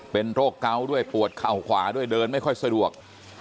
เป็นโรคเกาะด้วยปวดเข่าขวาด้วยเดินไม่ค่อยสะดวก